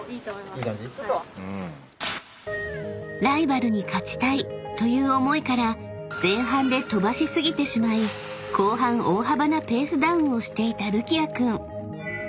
［ライバルに勝ちたいという思いから前半で飛ばし過ぎてしまい後半大幅なペースダウンをしていたるきあ君］